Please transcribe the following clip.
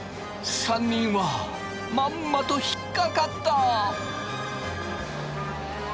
３人はまんまと引っ掛かった。